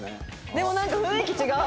でもなんか雰囲気違う。